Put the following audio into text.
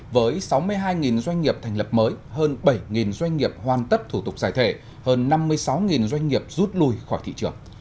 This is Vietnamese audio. với sáu mươi hai doanh nghiệp thành lập mới hơn bảy doanh nghiệp hoàn tất thủ tục giải thể hơn năm mươi sáu doanh nghiệp rút lui khỏi thị trường